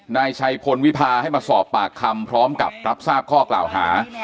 นายชัยพลวิพาให้มาสอบปากคำพร้อมกับรับทราบข้อกล่าวหา